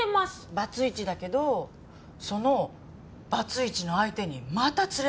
バツイチだけどそのバツイチの相手にまた連れ去られたんだ？